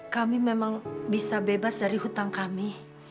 kami memang bisa bebas dari hutang kami